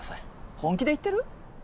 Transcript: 本気で言ってる？